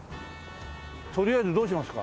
とりあえずどうしますか？